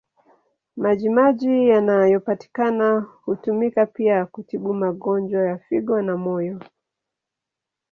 Maji maji yanayopatikana hutumika pia kutibu magonjwa ya figo na moyo.